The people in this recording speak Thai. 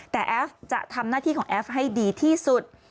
แต่แอฟจะทำหน้าที่ของแอฟให้ดีที่สุด